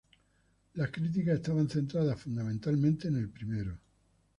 Las críticas estaban centradas fundamentalmente en el primero.